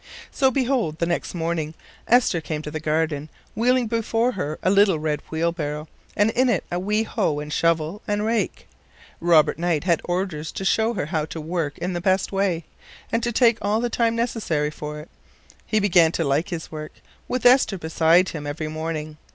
So, behold, the next morning Esther came to the garden wheeling before her a little red wheelbarrow, and in it a wee hoe and shovel and rake. Robert Knight had orders to show her how to work in the best way, and to take all the time necessary for it. He began to like his work, with Esther beside him every morning.